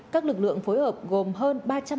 các lực lượng phối hợp gồm hơn